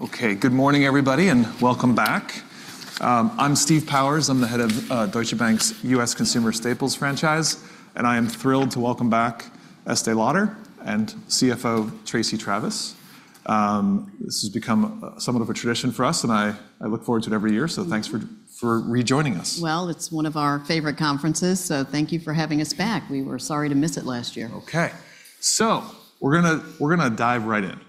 Okay, good morning, everybody, and welcome back. I'm Steve Powers. I'm the head of Deutsche Bank's U.S. Consumer Staples franchise, and I am thrilled to welcome back Estée Lauder and CFO Tracey Travis. This has become somewhat of a tradition for us, and I look forward to it every year, so thanks for rejoining us. Well, it's one of our favorite conferences, so thank you for having us back. We were sorry to miss it last year. Okay. So we're gonna dive right in.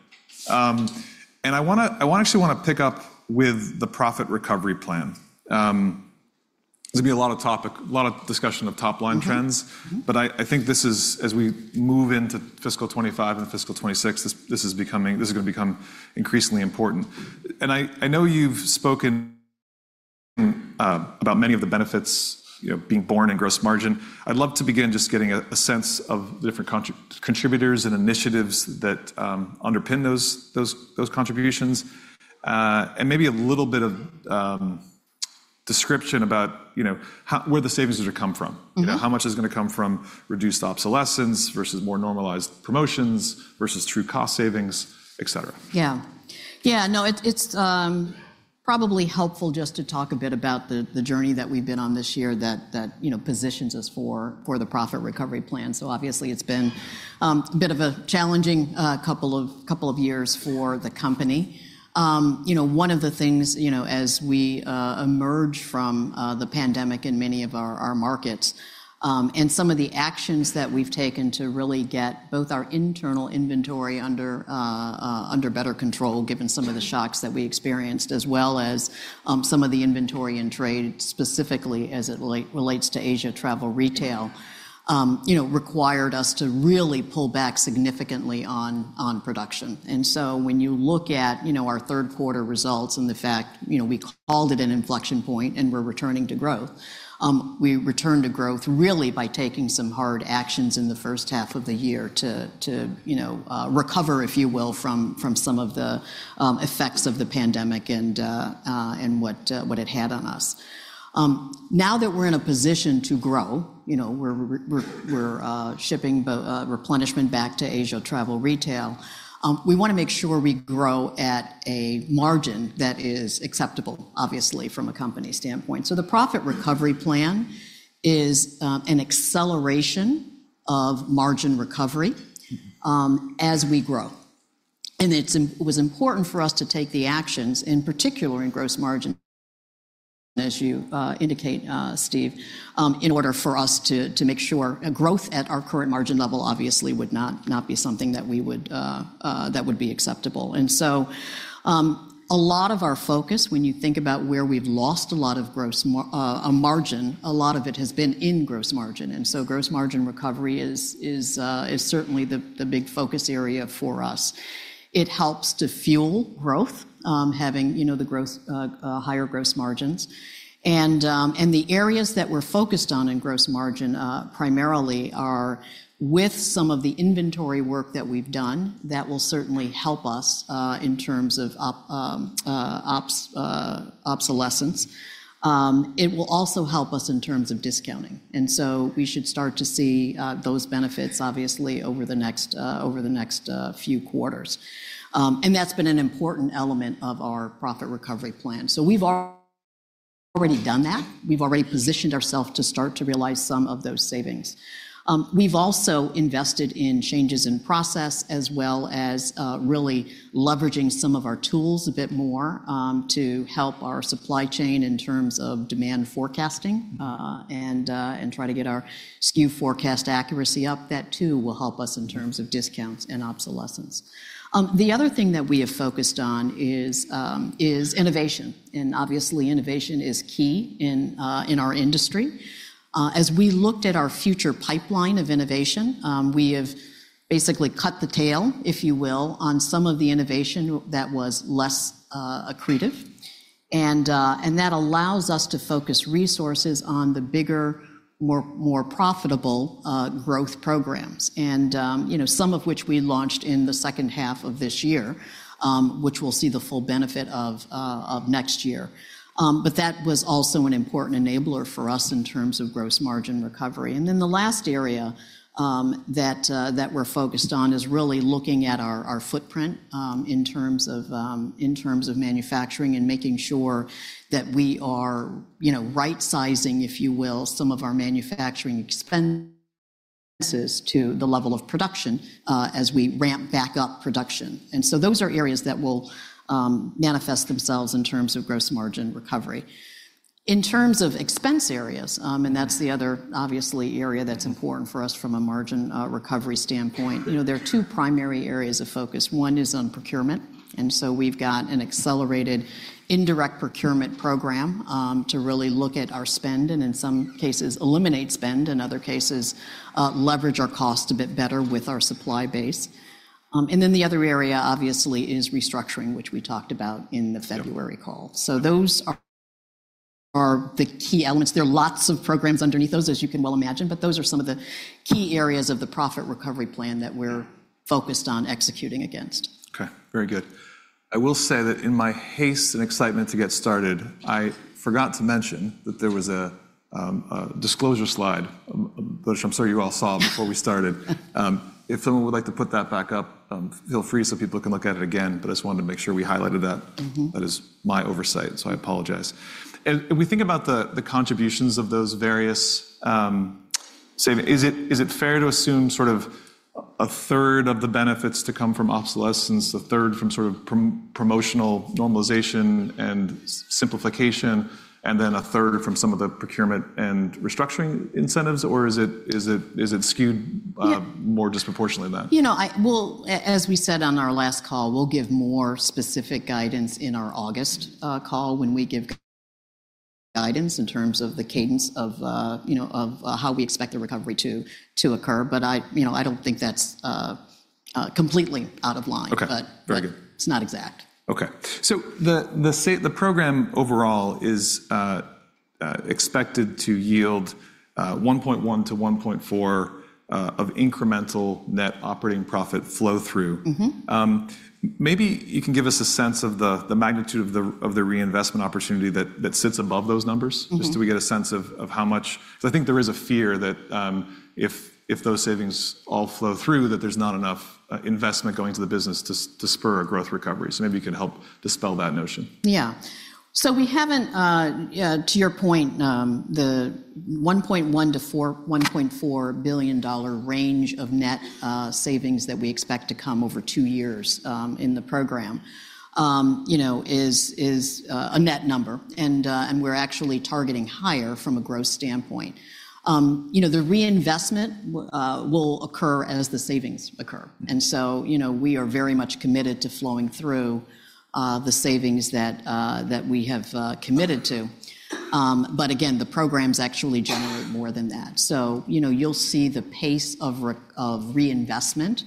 And I actually wanna pick up with the Profit Recovery Plan. There's gonna be a lot of topic, a lot of discussion of top-line trends. Mm-hmm, mm-hmm. But I think this is, as we move into fiscal 2025 and fiscal 2026, this is becoming—this is gonna become increasingly important. And I know you've spoken about many of the benefits, you know, being borne in gross margin. I'd love to begin just getting a sense of the different contributors and initiatives that underpin those contributions, and maybe a little bit of description about, you know, how... where the savings are gonna come from. Mm-hmm. You know, how much is gonna come from reduced obsolescence versus more normalized promotions versus true cost savings, etc.? Yeah. Yeah, no, it's probably helpful just to talk a bit about the journey that we've been on this year that you know positions us for the Profit Recovery Plan. So obviously, it's been a bit of a challenging couple of years for the company. You know, one of the things you know as we emerge from the pandemic in many of our markets and some of the actions that we've taken to really get both our internal inventory under better control, given some of the shocks that we experienced, as well as some of the inventory and trade, specifically as it relates to Asia Travel Retail, you know required us to really pull back significantly on production. When you look at, you know, our third quarter results and the fact, you know, we called it an inflection point, and we're returning to growth, we returned to growth really by taking some hard actions in the first half of the year to, you know, recover, if you will, from some of the effects of the pandemic and what it had on us. Now that we're in a position to grow, you know, we're shipping replenishment back to Asia Travel Retail, we wanna make sure we grow at a margin that is acceptable, obviously, from a company standpoint. So the Profit Recovery Plan is an acceleration of margin recovery- Mm-hmm... as we grow. And it was important for us to take the actions, in particular in gross margin, as you indicate, Steve, in order for us to make sure... Growth at our current margin level obviously would not be something that we would that would be acceptable. And so, a lot of our focus, when you think about where we've lost a lot of gross margin, a lot of it has been in gross margin, and so gross margin recovery is certainly the big focus area for us. It helps to fuel growth, having, you know, the higher gross margins. And the areas that we're focused on in gross margin primarily are with some of the inventory work that we've done, that will certainly help us in terms of obsolescence. It will also help us in terms of discounting, and so we should start to see those benefits, obviously, over the next few quarters. And that's been an important element of our Profit Recovery Plan. So we've already done that. We've already positioned ourselves to start to realize some of those savings. We've also invested in changes in process, as well as really leveraging some of our tools a bit more to help our supply chain in terms of demand forecasting and try to get our SKU forecast accuracy up. That too will help us in terms of discounts and obsolescence. The other thing that we have focused on is innovation, and obviously, innovation is key in our industry. As we looked at our future pipeline of innovation, we have basically cut the tail, if you will, on some of the innovation that was less accretive, and that allows us to focus resources on the bigger, more, more profitable growth programs. And you know, some of which we launched in the second half of this year, which we'll see the full benefit of next year. But that was also an important enabler for us in terms of gross margin recovery. And then the last area that we're focused on is really looking at our footprint in terms of manufacturing and making sure that we are, you know, right-sizing, if you will, some of our manufacturing expenses to the level of production as we ramp back up production. And so those are areas that will manifest themselves in terms of gross margin recovery. In terms of expense areas, and that's the other obviously area that's important for us from a margin recovery standpoint, you know, there are two primary areas of focus. One is on procurement, and so we've got an accelerated indirect procurement program to really look at our spend, and in some cases, eliminate spend, in other cases, leverage our cost a bit better with our supply base. And then the other area, obviously, is restructuring, which we talked about in the February call. Sure. So those are the key elements. There are lots of programs underneath those, as you can well imagine, but those are some of the key areas of the Profit Recovery Plan that we're focused on executing against. Okay, very good. I will say that in my haste and excitement to get started, I forgot to mention that there was a disclosure slide, which I'm sure you all saw before we started. If someone would like to put that back up, feel free, so people can look at it again, but I just wanted to make sure we highlighted that. Mm-hmm. That is my oversight, so I apologize. And if we think about the contributions of those various saving, is it fair to assume sort of a third of the benefits to come from obsolescence, a third from sort of promotional normalization and simplification, and then a third from some of the procurement and restructuring incentives, or is it skewed? Yeah... more disproportionately than that? You know, well, as we said on our last call, we'll give more specific guidance in our August call, when we give guidance in terms of the cadence of, you know, of how we expect the recovery to occur. But I, you know, I don't think that's completely out of line. Okay. But- Very good. It's not exact. Okay. So the program overall is expected to yield 1.1-1.4 of incremental net operating profit flow through. Mm-hmm. Maybe you can give us a sense of the magnitude of the reinvestment opportunity that sits above those numbers. Mm-hmm. Just so we get a sense of how much... So I think there is a fear that, if those savings all flow through, that there's not enough investment going to the business to spur a growth recovery. So maybe you can help dispel that notion. Yeah. So we haven't to your point, the $1.1 billion-$1.4 billion range of net savings that we expect to come over two years, in the program, you know, is a net number. And we're actually targeting higher from a growth standpoint. You know, the reinvestment will occur as the savings occur. And so, you know, we are very much committed to flowing through the savings that we have committed to. But again, the programs actually generate more than that. So, you know, you'll see the pace of reinvestment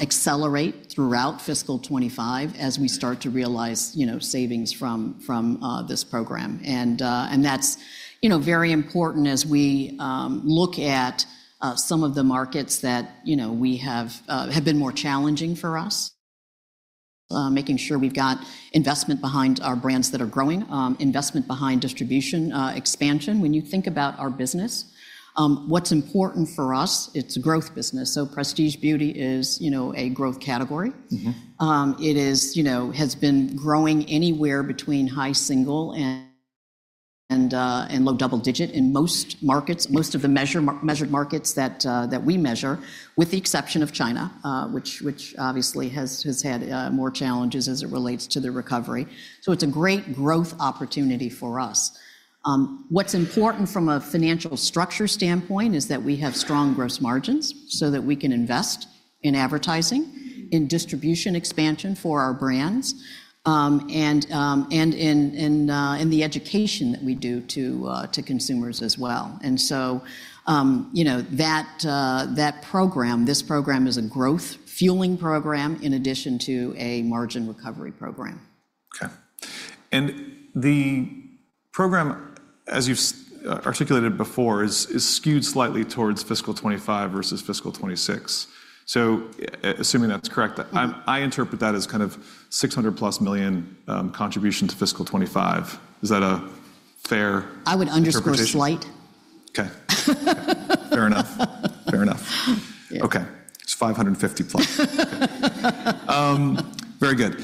accelerate throughout Fiscal 2025 as we start to realize, you know, savings from this program. That's, you know, very important as we look at some of the markets that, you know, we have been more challenging for us. Making sure we've got investment behind our brands that are growing, investment behind distribution expansion. When you think about our business, what's important for us, it's a growth business. So Prestige Beauty is, you know, a growth category. Mm-hmm. It is, you know, has been growing anywhere between high single and low double digit in most markets. Yeah... most of the measured markets that we measure, with the exception of China, which obviously has had more challenges as it relates to the recovery. So it's a great growth opportunity for us. What's important from a financial structure standpoint is that we have strong gross margins so that we can invest in advertising- Mm-hmm... in distribution expansion for our brands, and in the education that we do to consumers as well. And so, you know, that program, this program is a growth-fueling program in addition to a margin recovery program. Okay. And the program, as you've articulated before, is skewed slightly towards Fiscal 2025 versus Fiscal 2026. So assuming that's correct- Mm-hmm... I interpret that as kind of $600 million plus contribution to fiscal 2025. Is that a fair- I would underscore slight.... interpretation? Okay. Fair enough. Fair enough. Yeah. Okay. It's 550+. Very good.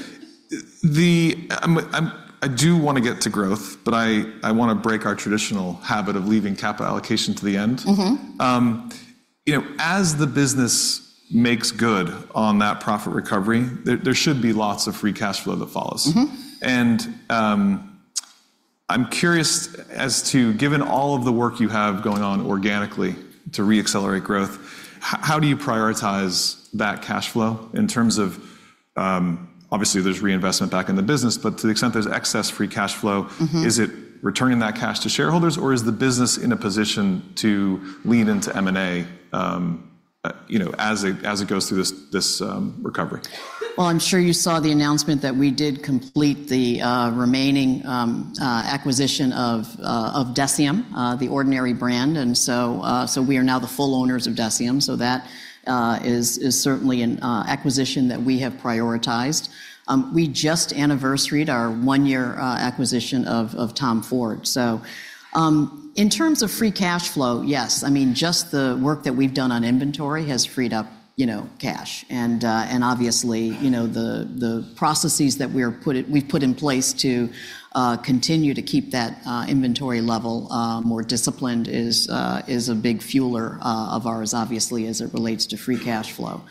I do want to get to growth, but I want to break our traditional habit of leaving capital allocation to the end. Mm-hmm. you know, as the business makes good on that profit recovery, there should be lots of free cash flow that follows. Mm-hmm. I'm curious as to, given all of the work you have going on organically to reaccelerate growth, how do you prioritize that cash flow in terms of, obviously, there's reinvestment back in the business, but to the extent there's excess free cash flow- Mm-hmm... is it returning that cash to shareholders, or is the business in a position to lean into M&A, you know, as it goes through this recovery? Well, I'm sure you saw the announcement that we did complete the remaining acquisition of Deciem, the Ordinary brand, and so, so we are now the full owners of Deciem, so that is certainly an acquisition that we have prioritized. We just anniversaried our one-year acquisition of Tom Ford. So, in terms of free cash flow, yes. I mean, just the work that we've done on inventory has freed up, you know, cash. And, obviously, you know, the processes that we've put in place to continue to keep that inventory level more disciplined is a big fueler of ours, obviously, as it relates to free cash flow.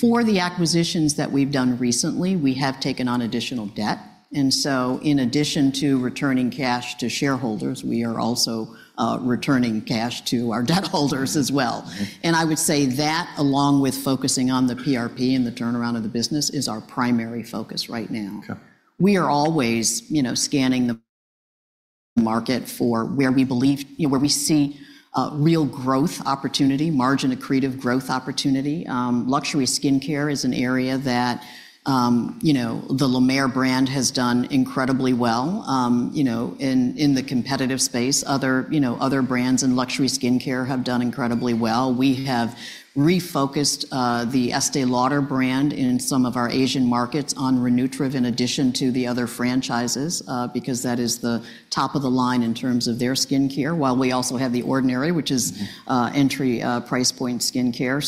For the acquisitions that we've done recently, we have taken on additional debt, and so in addition to returning cash to shareholders, we are also returning cash to our debt holders as well. Mm-hmm. I would say that, along with focusing on the PRP and the turnaround of the business, is our primary focus right now. Okay. We are always, you know, scanning the market for where we believe, you know, where we see real growth opportunity, margin accretive growth opportunity. Luxury skincare is an area that, you know, the La Mer brand has done incredibly well. You know, in the competitive space, other brands in luxury skincare have done incredibly well. We have refocused the Estée Lauder brand in some of our Asian markets on Re-Nutriv, in addition to the other franchises, because that is the top-of-the-line in terms of their skincare, while we also have The Ordinary, which is- Mm-hmm... entry price point skincare.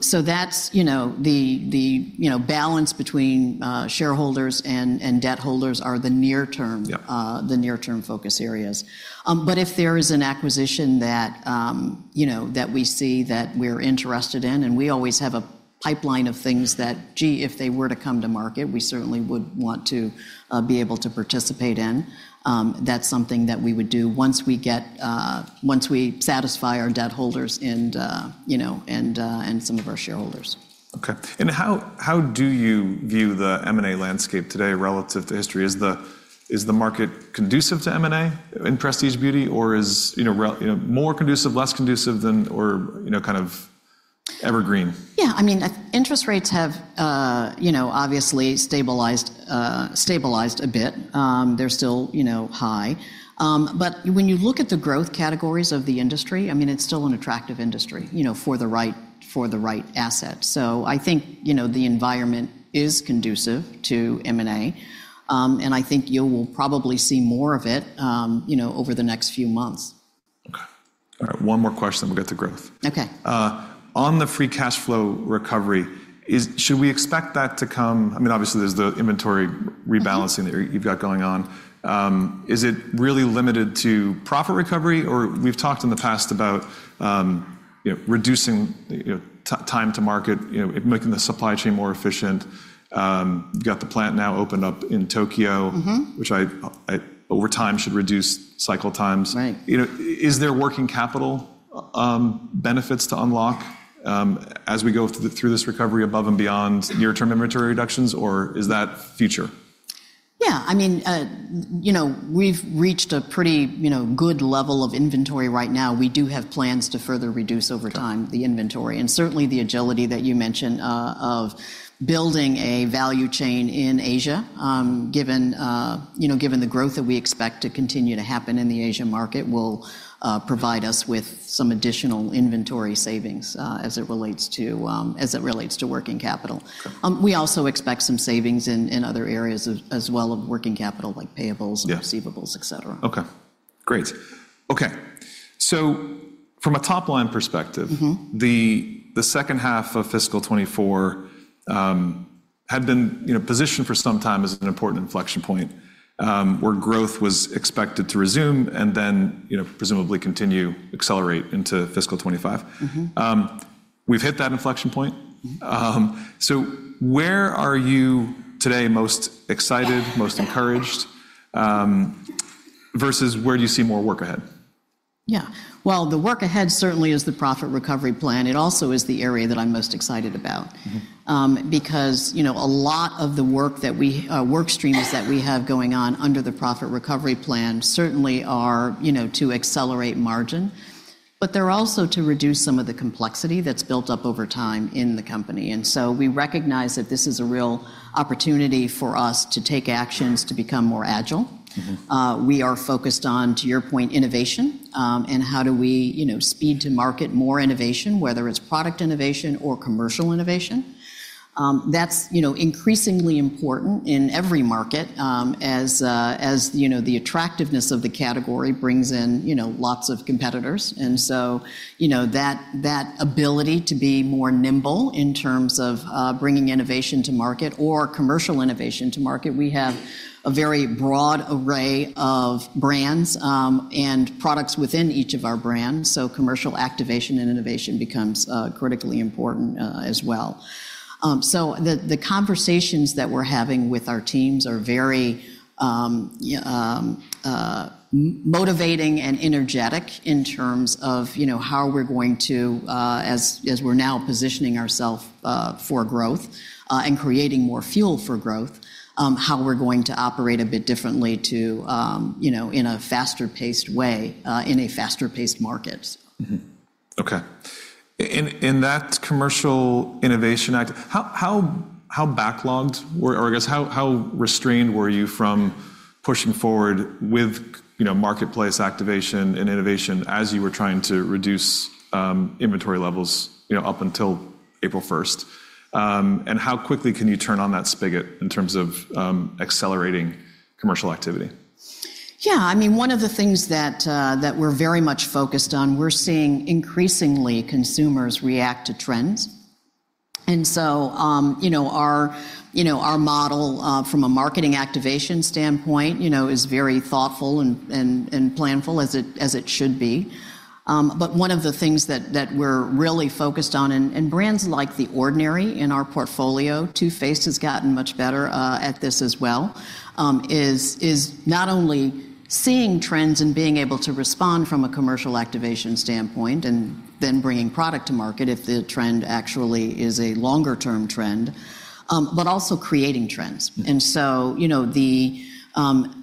So, that's, you know, the you know, balance between shareholders and debt holders are the near-term- Yeah. The near-term focus areas. But if there is an acquisition that, you know, that we see that we're interested in, and we always have a pipeline of things that, gee, if they were to come to market, we certainly would want to be able to participate in. That's something that we would do once we satisfy our debt holders and, you know, and some of our shareholders. Okay. How do you view the M&A landscape today relative to history? Is the market conducive to M&A in Prestige Beauty, or you know, more conducive, less conducive than, or you know, kind of evergreen? Yeah, I mean, interest rates have, you know, obviously stabilized a bit. They're still, you know, high. But when you look at the growth categories of the industry, I mean, it's still an attractive industry, you know, for the right, for the right asset. So I think, you know, the environment is conducive to M&A, and I think you will probably see more of it, you know, over the next few months. Okay. All right, one more question, then we'll get to growth. Okay. On the free cash flow recovery, should we expect that to come... I mean, obviously, there's the inventory rebalancing- Mm-hmm. -that you've got going on. Is it really limited to profit recovery? Or we've talked in the past about, you know, reducing, you know, time to market, you know, making the supply chain more efficient. You've got the plant now opened up in Tokyo- Mm-hmm. which I over time should reduce cycle times. Right. You know, is there working capital benefits to unlock, as we go through this recovery above and beyond near-term inventory reductions, or is that future? Yeah, I mean, you know, we've reached a pretty, you know, good level of inventory right now. We do have plans to further reduce over time- Sure... the inventory, and certainly the agility that you mentioned of building a value chain in Asia, given you know, given the growth that we expect to continue to happen in the Asian market, will provide us with some additional inventory savings, as it relates to working capital. Sure. We also expect some savings in other areas as well of working capital, like payables- Yeah... and receivables, et cetera. Okay, great. Okay, so from a top-line perspective- Mm-hmm... the second half of fiscal 2024 had been, you know, positioned for some time as an important inflection point, where growth was expected to resume and then, you know, presumably continue, accelerate into fiscal 2025. Mm-hmm. We've hit that inflection point. Mm-hmm. Where are you today most excited, most encouraged, versus where do you see more work ahead? Yeah. Well, the work ahead certainly is the Profit Recovery Plan. It also is the area that I'm most excited about. Mm-hmm. Because, you know, a lot of the work streams that we have going on under the Profit Recovery Plan certainly are, you know, to accelerate margin, but they're also to reduce some of the complexity that's built up over time in the company. And so we recognize that this is a real opportunity for us to take actions to become more agile. Mm-hmm. We are focused on, to your point, innovation, and how do we, you know, speed to market more innovation, whether it's product innovation or commercial innovation. That's, you know, increasingly important in every market, as you know, the attractiveness of the category brings in, you know, lots of competitors. And so, you know, that ability to be more nimble in terms of, bringing innovation to market or commercial innovation to market, we have a very broad array of brands, and products within each of our brands, so commercial activation and innovation becomes, critically important, as well. So the conversations that we're having with our teams are very motivating and energetic in terms of, you know, how we're going to, as we're now positioning ourself for growth and creating more fuel for growth, how we're going to operate a bit differently to, you know, in a faster-paced way in a faster-paced market. Mm-hmm. Okay. In that commercial innovation act, how backlogged were—or I guess, how restrained were you from pushing forward with, you know, marketplace activation and innovation as you were trying to reduce inventory levels, you know, up until April first? And how quickly can you turn on that spigot in terms of accelerating commercial activity? Yeah, I mean, one of the things that we're very much focused on, we're seeing increasingly consumers react to trends. And so, you know, our model from a marketing activation standpoint, you know, is very thoughtful and planful, as it should be. But one of the things that we're really focused on, and brands like The Ordinary in our portfolio, Too Faced has gotten much better at this as well, is not only seeing trends and being able to respond from a commercial activation standpoint and then bringing product to market if the trend actually is a longer-term trend, but also creating trends. Mm. And so, you know, the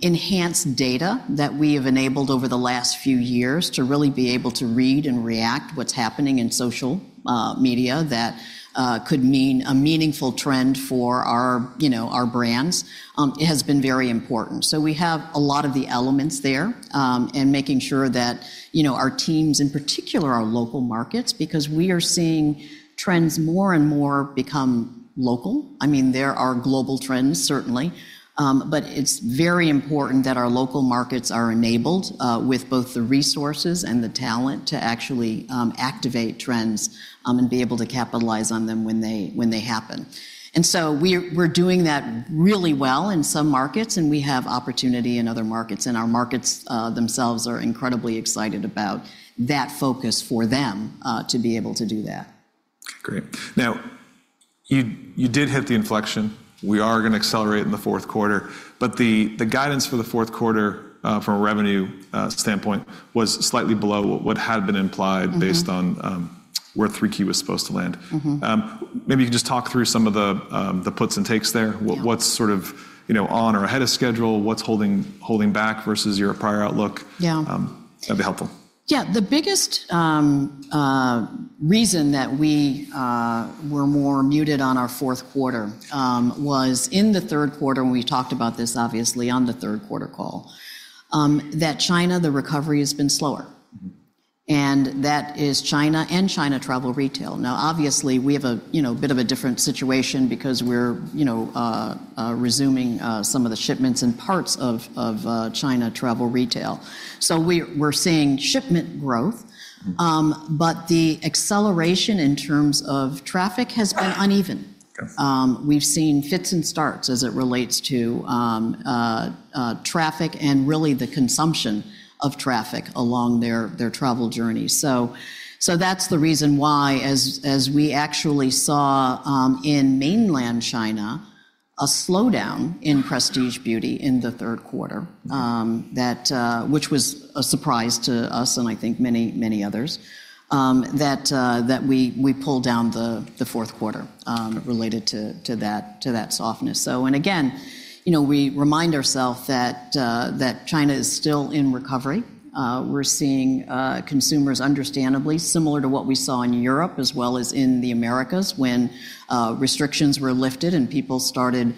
enhanced data that we have enabled over the last few years to really be able to read and react what's happening in social media that could mean a meaningful trend for our, you know, our brands has been very important. So we have a lot of the elements there in making sure that, you know, our teams, in particular our local markets, because we are seeing trends more and more become local. I mean, there are global trends, certainly, but it's very important that our local markets are enabled with both the resources and the talent to actually activate trends and be able to capitalize on them when they happen. And so we're doing that really well in some markets, and we have opportunity in other markets, and our markets themselves are incredibly excited about that focus for them to be able to do that.... Great. Now, you, you did hit the inflection. We are going to accelerate in the fourth quarter, but the guidance for the fourth quarter, from a revenue standpoint, was slightly below what had been implied- Mm-hmm. -based on, where 3Q was supposed to land. Mm-hmm. Maybe you could just talk through some of the puts and takes there. Yeah. What's sort of, you know, on or ahead of schedule? What's holding back versus your prior outlook? Yeah. That'd be helpful. Yeah, the biggest reason that we were more muted on our fourth quarter was in the third quarter, and we talked about this obviously on the third quarter call, that China, the recovery has been slower. Mm-hmm. That is China and China Travel Retail. Now, obviously, we have a, you know, bit of a different situation because we're, you know, resuming some of the shipments in parts of China Travel Retail. So we're seeing shipment growth. Mm. but the acceleration in terms of traffic has been uneven. Yes. We've seen fits and starts as it relates to traffic and really the consumption of traffic along their travel journey. That's the reason why, as we actually saw in Mainland China, a slowdown in Prestige Beauty in the third quarter- Mm. That which was a surprise to us and I think many, many others, that we pulled down the fourth quarter related to that softness. So, and again, you know, we remind ourselves that China is still in recovery. We're seeing consumers understandably similar to what we saw in Europe as well as in the Americas when restrictions were lifted and people started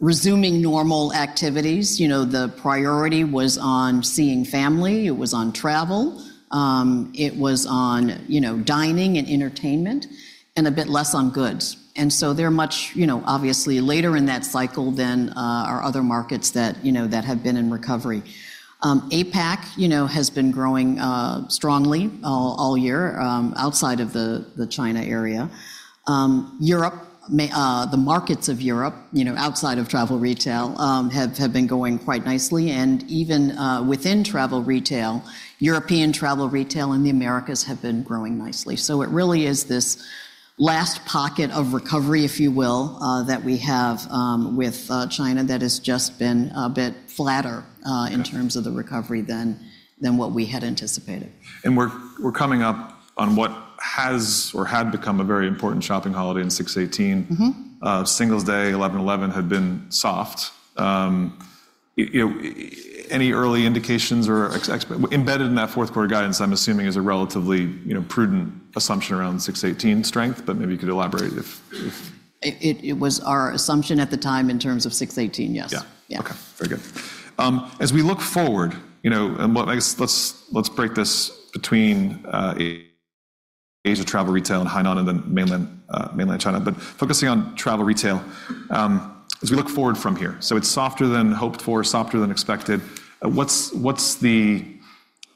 resuming normal activities. You know, the priority was on seeing family, it was on travel, it was on, you know, dining and entertainment, and a bit less on goods. And so they're much, you know, obviously later in that cycle than our other markets that, you know, that have been in recovery. APAC, you know, has been growing strongly all year outside of the China area. Europe, the markets of Europe, you know, outside of travel retail, have been going quite nicely, and even within travel retail, European travel retail and the Americas have been growing nicely. So it really is this last pocket of recovery, if you will, that we have with China that has just been a bit flatter, Right... in terms of the recovery than what we had anticipated. We're coming up on what has or had become a very important shopping holiday in 6.18. Mm-hmm. Singles Day 11.11 had been soft. You know, any early indications or... Embedded in that fourth quarter guidance, I'm assuming, is a relatively, you know, prudent assumption around 6.18 strength, but maybe you could elaborate if, if- It was our assumption at the time in terms of 6.18, yes. Yeah. Yeah. Okay. Very good. As we look forward, you know, and what, I guess let's, let's break this between Asia travel retail and Hainan and then Mainland China, but focusing on travel retail, as we look forward from here, so it's softer than hoped for, softer than expected. What's the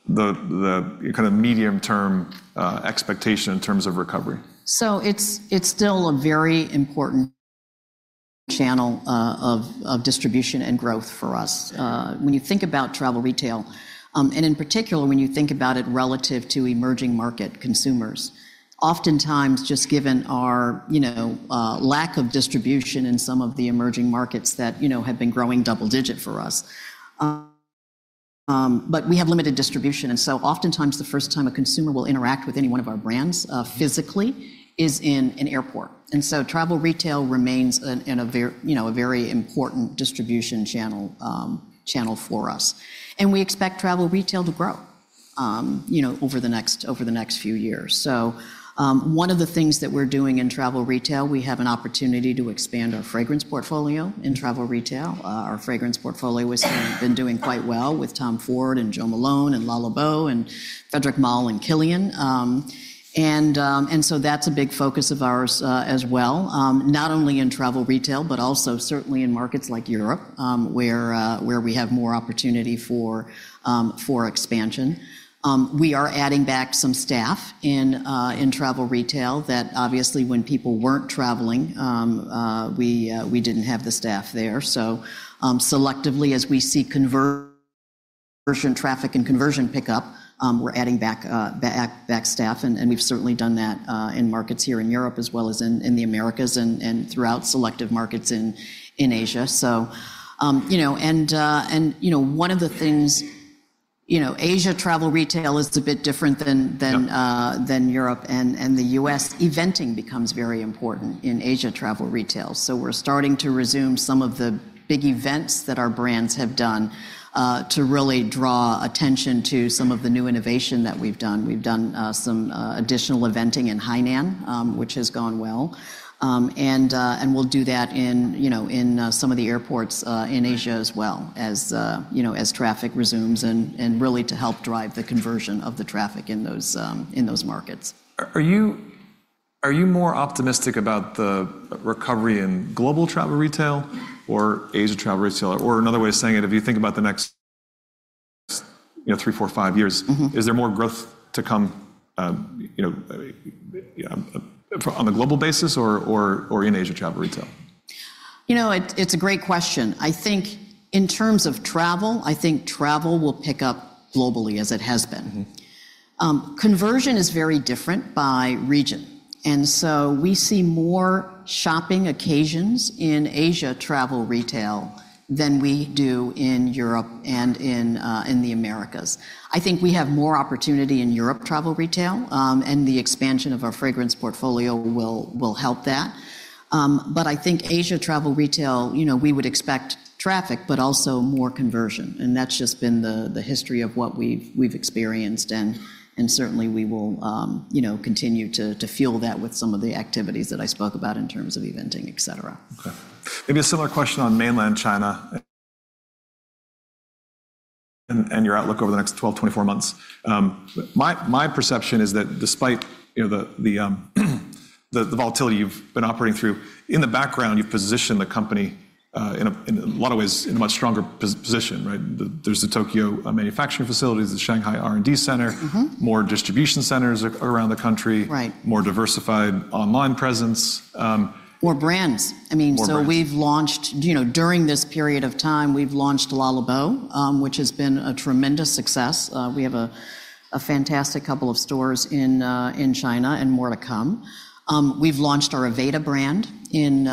kind of medium-term expectation in terms of recovery? It's still a very important channel of distribution and growth for us. Yeah. When you think about Travel Retail, and in particular, when you think about it relative to emerging market consumers, oftentimes just given our, you know, lack of distribution in some of the emerging markets that, you know, have been growing double-digit for us, but we have limited distribution, and so oftentimes the first time a consumer will interact with any one of our brands, physically, is in an airport. And so Travel Retail remains a very, you know, a very important distribution channel for us. And we expect Travel Retail to grow, you know, over the next few years. So, one of the things that we're doing in Travel Retail, we have an opportunity to expand our fragrance portfolio in Travel Retail. Our fragrance portfolio has been doing quite well with Tom Ford and Jo Malone and Le Labo and Frédéric Malle and Kilian. And so that's a big focus of ours, as well, not only in travel retail, but also certainly in markets like Europe, where we have more opportunity for expansion. We are adding back some staff in travel retail that obviously when people weren't traveling, we didn't have the staff there. So, selectively, as we see conversion traffic and conversion pickup, we're adding back staff, and we've certainly done that in markets here in Europe as well as in the Americas and throughout selective markets in Asia. You know, one of the things, you know, Asia Travel Retail is a bit different than- Yeah... than Europe and the U.S., Eventing becomes very important in Asia travel retail. So we're starting to resume some of the big events that our brands have done to really draw attention to some of the new innovation that we've done. We've done some additional eventing in Hainan, which has gone well. And we'll do that in, you know, in some of the airports in Asia as well, as you know, as traffic resumes and really to help drive the conversion of the traffic in those markets. Are you more optimistic about the recovery in global travel retail or Asia travel retail? Or another way of saying it, if you think about the next, you know, three, four, five years- Mm-hmm... is there more growth to come, you know, on a global basis or in Asia Travel Retail?... You know, it's a great question. I think in terms of travel, I think travel will pick up globally as it has been. Conversion is very different by region, and so we see more shopping occasions in Asia travel retail than we do in Europe and in the Americas. I think we have more opportunity in Europe travel retail, and the expansion of our fragrance portfolio will help that. But I think Asia travel retail, you know, we would expect traffic, but also more conversion, and that's just been the history of what we've experienced, and certainly we will, you know, continue to fuel that with some of the activities that I spoke about in terms of eventing, et cetera. Okay. Maybe a similar question on Mainland China and your outlook over the next 12, 24 months. My perception is that despite, you know, the volatility you've been operating through, in the background, you've positioned the company in a lot of ways in a much stronger position, right? There's the Tokyo manufacturing facilities, the Shanghai R&D center- Mm-hmm. more distribution centers around the country Right. -more diversified online presence- More brands. More brands. I mean, so we've launched... You know, during this period of time, we've launched Le Labo, which has been a tremendous success. We have a fantastic couple of stores in China and more to come. We've launched our Aveda brand in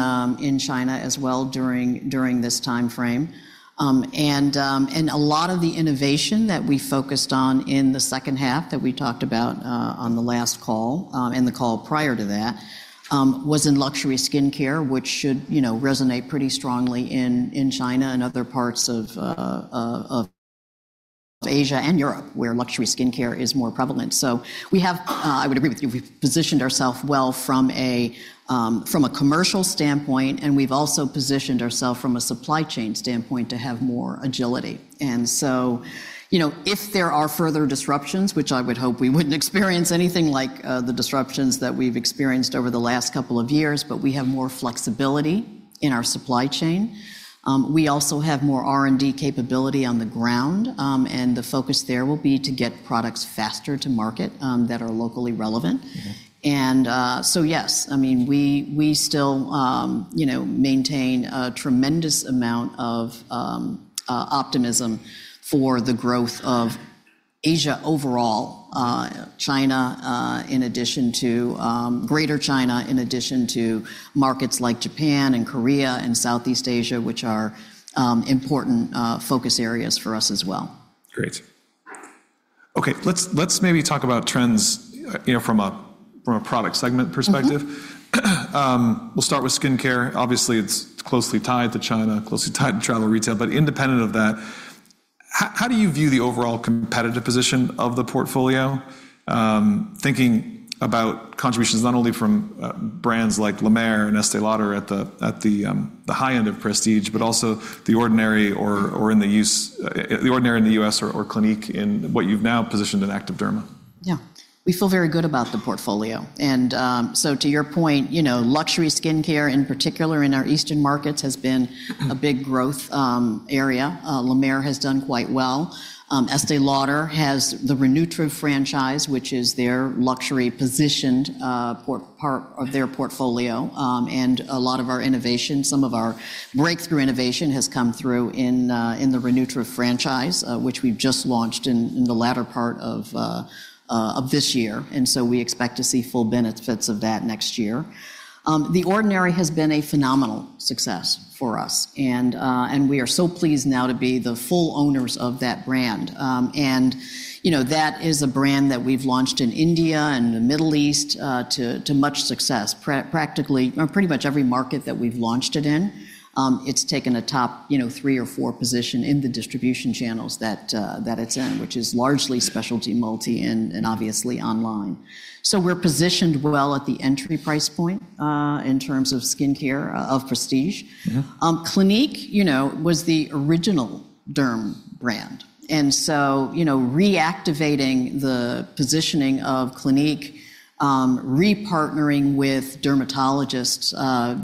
China as well during this time frame. And a lot of the innovation that we focused on in the second half that we talked about on the last call and the call prior to that was in luxury skincare, which should, you know, resonate pretty strongly in China and other parts of Asia and Europe, where luxury skincare is more prevalent. So we have, I would agree with you, we've positioned ourself well from a, from a commercial standpoint, and we've also positioned ourself from a supply chain standpoint to have more agility. And so, you know, if there are further disruptions, which I would hope we wouldn't experience anything like the disruptions that we've experienced over the last couple of years, but we have more flexibility in our supply chain. We also have more R&D capability on the ground, and the focus there will be to get products faster to market that are locally relevant. Mm-hmm. So, yes, I mean, we still, you know, maintain a tremendous amount of optimism for the growth of Asia overall, China, in addition to Greater China, in addition to markets like Japan and Korea and Southeast Asia, which are important focus areas for us as well. Great. Okay, let's maybe talk about trends, you know, from a product segment perspective. Mm-hmm. We'll start with skincare. Obviously, it's closely tied to China, closely tied to travel retail, but independent of that, how do you view the overall competitive position of the portfolio? Thinking about contributions not only from brands like La Mer and Estée Lauder at the high end of prestige, but also The Ordinary in the U.S. or Clinique in what you've now positioned in Active Derm. Yeah. We feel very good about the portfolio, and, so to your point, you know, luxury skincare, in particular in our eastern markets, has been- Mm-hmm. A big growth area. La Mer has done quite well. Estée Lauder has the Re-Nutriv franchise, which is their luxury-positioned part of their portfolio. And a lot of our innovation, some of our breakthrough innovation has come through in the Re-Nutriv franchise, which we've just launched in the latter part of this year, and so we expect to see full benefits of that next year. The Ordinary has been a phenomenal success for us, and, and we are so pleased now to be the full owners of that brand. And, you know, that is a brand that we've launched in India and the Middle East to much success. Practically, or pretty much every market that we've launched it in, it's taken a top, you know, three or four position in the distribution channels that that it's in, which is largely specialty, multi, and obviously online. So we're positioned well at the entry price point, in terms of skincare, of prestige. Yeah. Clinique, you know, was the original derm brand, and so, you know, reactivating the positioning of Clinique, repartnering with dermatologists,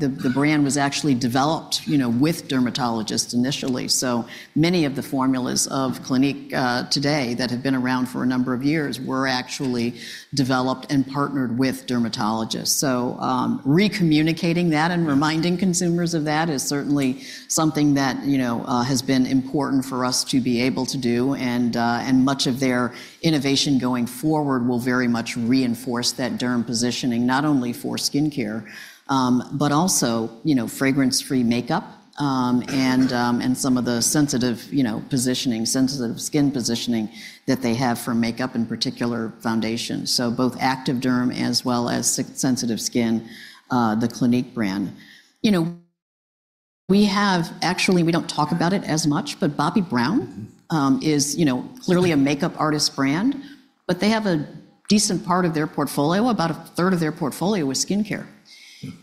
the brand was actually developed, you know, with dermatologists initially. So many of the formulas of Clinique, today that have been around for a number of years were actually developed and partnered with dermatologists. So, recommunicating that and reminding consumers of that is certainly something that, you know, has been important for us to be able to do, and, and much of their innovation going forward will very much reinforce that derm positioning, not only for skincare, but also, you know, fragrance-free makeup, and, and some of the sensitive, you know, positioning, sensitive skin positioning that they have for makeup, in particular foundation. So both Active Derm as well as sensitive skin, the Clinique brand. You know, we have. Actually, we don't talk about it as much, but Bobbi Brown- Mm-hmm. You know, clearly a makeup artist brand, but they have a decent part of their portfolio, about a third of their portfolio is skincare.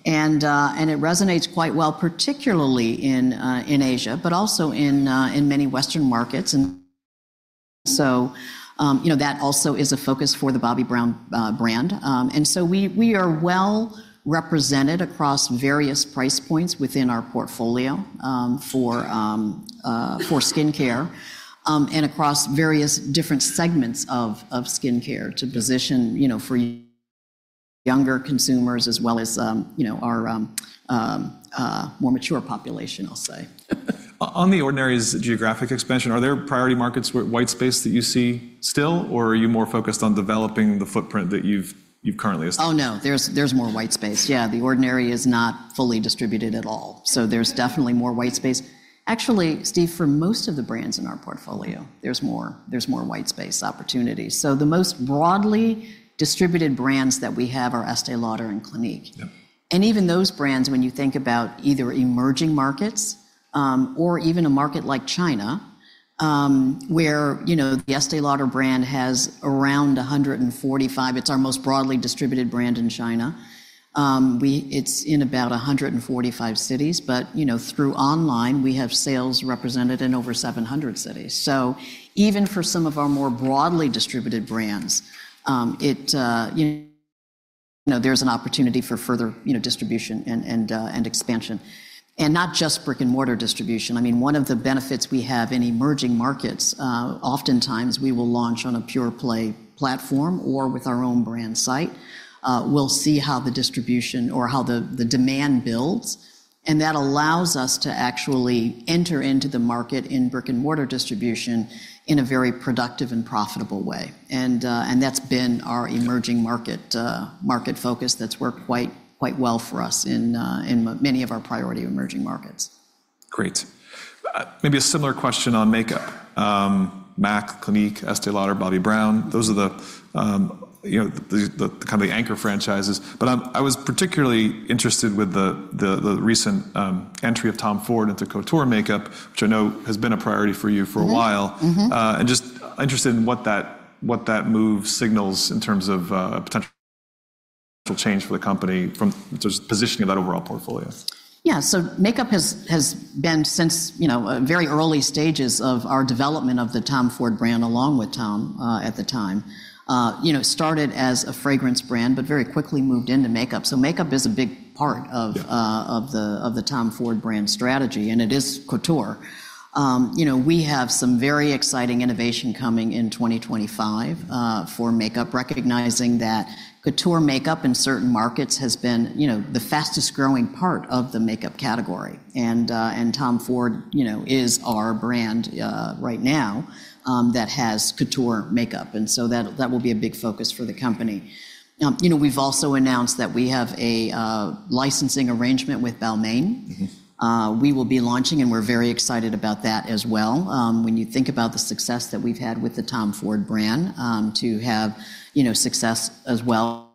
Mm-hmm. It resonates quite well, particularly in Asia, but also in many Western markets. You know, that also is a focus for the Bobbi Brown brand. We are well represented across various price points within our portfolio for skincare and across various different segments of skincare to position, you know, for younger consumers as well as our more mature population, I'll say. On The Ordinary's geographic expansion, are there priority markets with white space that you see still, or are you more focused on developing the footprint that you've currently established? Oh, no, there's more white space. Yeah, The Ordinary is not fully distributed at all, so there's definitely more white space. Actually, Steve, for most of the brands in our portfolio, there's more white space opportunities. So the most broadly distributed brands that we have are Estée Lauder and Clinique. Yep. Even those brands, when you think about either emerging markets or even a market like China, where, you know, the Estée Lauder brand has around 145. It's our most broadly distributed brand in China. It's in about 145 cities, but, you know, through online, we have sales represented in over 700 cities. Even for some of our more broadly distributed brands, you know, there's an opportunity for further, you know, distribution and expansion, and not just brick-and-mortar distribution. I mean, one of the benefits we have in emerging markets, oftentimes we will launch on a pure-play platform or with our own brand site. We'll see how the distribution or how the demand builds, and that allows us to actually enter into the market in brick-and-mortar distribution in a very productive and profitable way. And that's been our emerging market, market focus. That's worked quite, quite well for us in many of our priority emerging markets. Great. Maybe a similar question on makeup. M·A·C, Clinique, Estée Lauder, Bobbi Brown, those are the, you know, the kind of anchor franchises. But, I was particularly interested with the recent entry of Tom Ford into couture makeup, which I know has been a priority for you for a while. Mm-hmm, mm-hmm. And just interested in what that move signals in terms of potential change for the company from just positioning of that overall portfolio. Yeah. So makeup has been since, you know, very early stages of our development of the TOM FORD brand, along with Tom, at the time. You know, it started as a fragrance brand, but very quickly moved into makeup. So makeup is a big part of- Yeah... of the TOM FORD brand strategy, and it is couture. You know, we have some very exciting innovation coming in 2025 for makeup, recognizing that couture makeup in certain markets has been, you know, the fastest-growing part of the makeup category. And TOM FORD, you know, is our brand right now that has couture makeup, and so that will be a big focus for the company. You know, we've also announced that we have a licensing arrangement with Balmain. Mm-hmm. We will be launching, and we're very excited about that as well. When you think about the success that we've had with the TOM FORD brand, to have, you know, success as well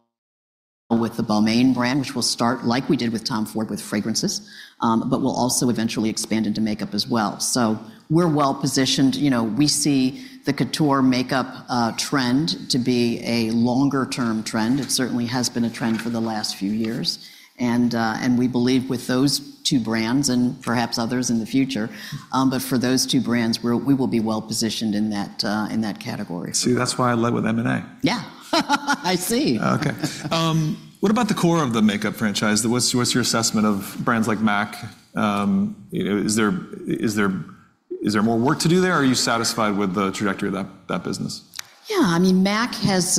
with the Balmain brand, which will start like we did with TOM FORD, with fragrances, but will also eventually expand into makeup as well. So we're well-positioned. You know, we see the couture makeup trend to be a longer-term trend. It certainly has been a trend for the last few years, and we believe with those two brands and perhaps others in the future, but for those two brands, we will be well-positioned in that, in that category. See, that's why I led with M&A. Yeah. I see. Okay. What about the core of the makeup franchise? What's your assessment of brands like M·A·C? You know, is there more work to do there, or are you satisfied with the trajectory of that business? Yeah, I mean, M·A·C has.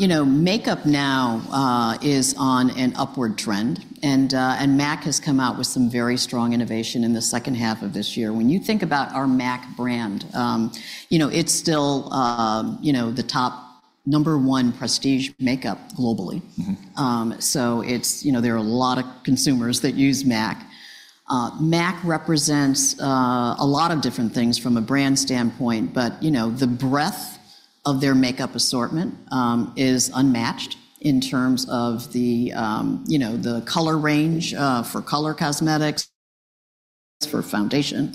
You know, makeup now is on an upward trend, and M·A·C has come out with some very strong innovation in the second half of this year. When you think about our M·A·C brand, you know, it's still, you know, the top number one prestige makeup globally. Mm-hmm. So it's, you know, there are a lot of consumers that use M·A·C. M·A·C represents a lot of different things from a brand standpoint, but, you know, the breadth of their makeup assortment is unmatched in terms of the, you know, the color range for color cosmetics, for foundation.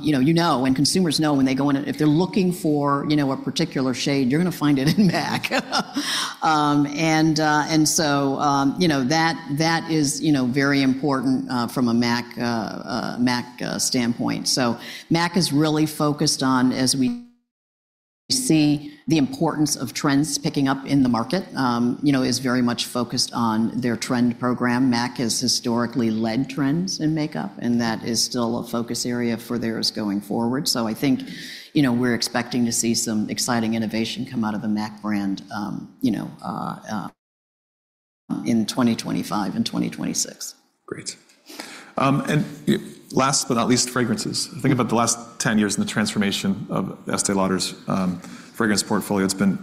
You know, you know, and consumers know when they go in, if they're looking for, you know, a particular shade, you're gonna find it in M·A·C. And so, you know, that is, you know, very important from a M·A·C standpoint. So M·A·C is really focused on, as we see the importance of trends picking up in the market, is very much focused on their trend program. M·A·C has historically led trends in makeup, and that is still a focus area for theirs going forward. So I think, you know, we're expecting to see some exciting innovation come out of the M·A·C brand, you know, in 2025 and 2026. Great. And last but not least, fragrances. Think about the last 10 years and the transformation of Estée Lauder's fragrance portfolio. It's been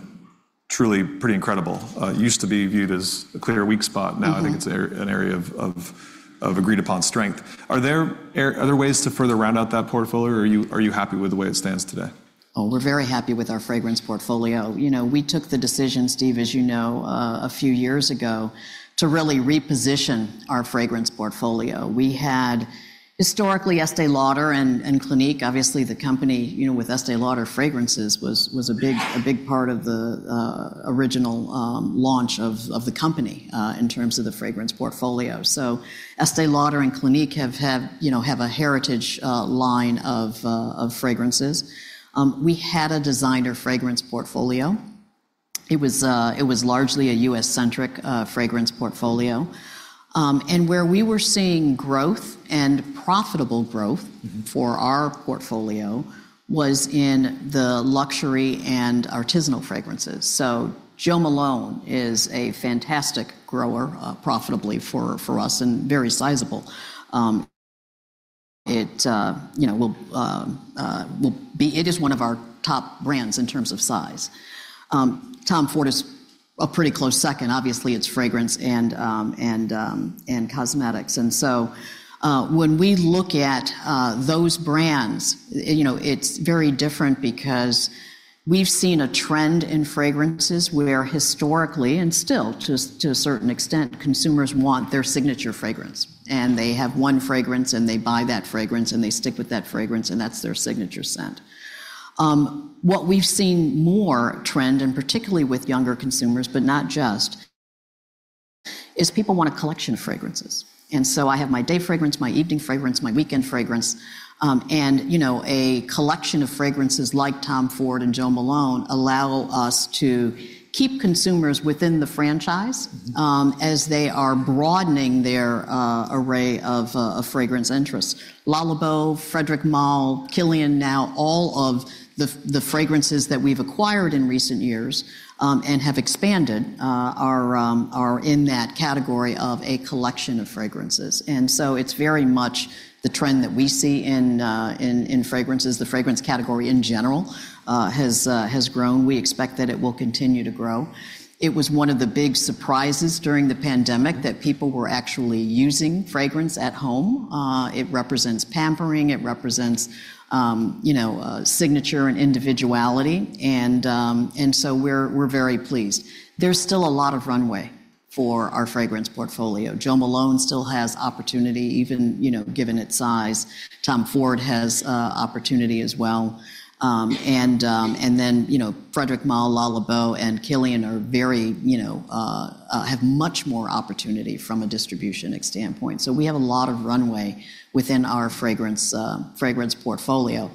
truly pretty incredible. It used to be viewed as a clear weak spot. Mm-hmm. Now, I think it's an area of agreed-upon strength. Are there ways to further round out that portfolio, or are you happy with the way it stands today? Oh, we're very happy with our fragrance portfolio. You know, we took the decision, Steve, as you know, a few years ago, to really reposition our fragrance portfolio. We had historically Estée Lauder and Clinique. Obviously, the company, you know, with Estée Lauder fragrances was a big part of the original launch of the company in terms of the fragrance portfolio. So Estée Lauder and Clinique have had, you know, have a heritage line of fragrances. We had a designer fragrance portfolio. It was largely a U.S.-centric fragrance portfolio, and where we were seeing growth, and profitable growth- Mm-hmm. For our portfolio, was in the luxury and artisanal fragrances. So Jo Malone is a fantastic grower, profitably for us, and very sizable. It, you know, it is one of our top brands in terms of size. Tom Ford is a pretty close second. Obviously, it's fragrance and cosmetics. And so, when we look at those brands, you know, it's very different because we've seen a trend in fragrances where historically, and still to a certain extent, consumers want their signature fragrance, and they have one fragrance, and they buy that fragrance, and they stick with that fragrance, and that's their signature scent. What we've seen more a trend, and particularly with younger consumers, but not just, is people want a collection of fragrances. So I have my day fragrance, my evening fragrance, my weekend fragrance, and, you know, a collection of fragrances like Tom Ford and Jo Malone allow us to keep consumers within the franchise- Mm. as they are broadening their array of fragrance interests. Le Labo, Frédéric Malle, Kilian now, all of the fragrances that we've acquired in recent years, and have expanded, are in that category of a collection of fragrances. And so it's very much the trend that we see in fragrances. The fragrance category, in general, has grown. We expect that it will continue to grow. It was one of the big surprises during the pandemic- Mm. -that people were actually using fragrance at home. It represents pampering, it represents, you know, signature and individuality, and, and so we're, we're very pleased. There's still a lot of runway for our fragrance portfolio. Jo Malone still has opportunity, even, you know, given its size. Tom Ford has, opportunity as well. And, and then, you know, Frédéric Malle, Le Labo, and Killian are very, you know, have much more opportunity from a distribution standpoint. So we have a lot of runway within our fragrance, fragrance portfolio.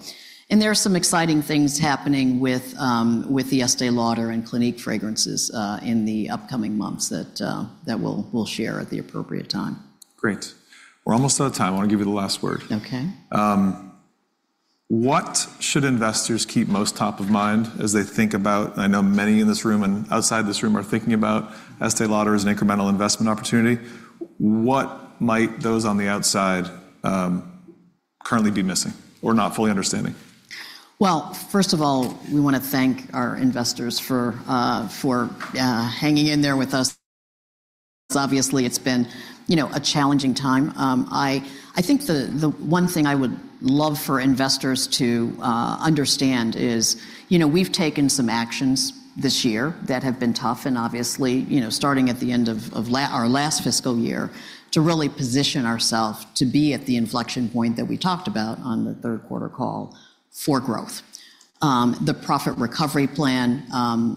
And there are some exciting things happening with, with the Estée Lauder and Clinique fragrances, in the upcoming months that, that we'll, we'll share at the appropriate time. Great. We're almost out of time. I want to give you the last word. Okay. What should investors keep most top of mind as they think about... I know many in this room and outside this room are thinking about Estée Lauder as an incremental investment opportunity. What might those on the outside, currently be missing or not fully understanding? Well, first of all, we want to thank our investors for, for, hanging in there with us. Obviously, it's been, you know, a challenging time. I think the one thing I would love for investors to understand is, you know, we've taken some actions this year that have been tough and obviously, you know, starting at the end of our last fiscal year, to really position ourselves to be at the inflection point that we talked about on the third quarter call, for growth. The Profit Recovery Plan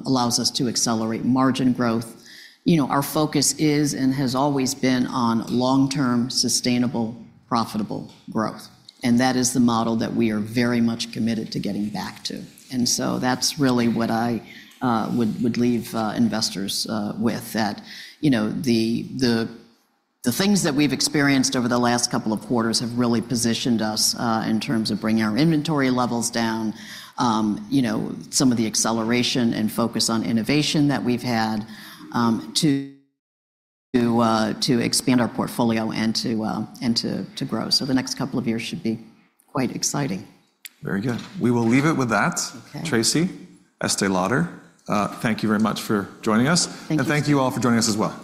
allows us to accelerate margin growth. You know, our focus is and has always been on long-term, sustainable, profitable growth, and that is the model that we are very much committed to getting back to. And so that's really what I would leave investors with, that you know, the things that we've experienced over the last couple of quarters have really positioned us in terms of bringing our inventory levels down, you know, some of the acceleration and focus on innovation that we've had to expand our portfolio and to grow. So the next couple of years should be quite exciting. Very good. We will leave it with that. Okay. Tracy, Estée Lauder, thank you very much for joining us. Thank you. Thank you all for joining us as well.